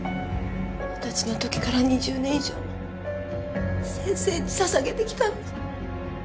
二十歳の時から２０年以上も先生に捧げてきたのに。